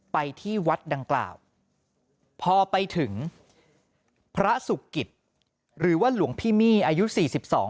ไปที่วัดดังกล่าวพอไปถึงพระสุกิตหรือว่าหลวงพี่มี่อายุสี่สิบสอง